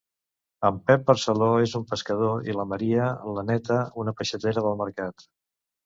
En Pep Barceló és un pescador i la Maria la Néta una peixatera del mercat.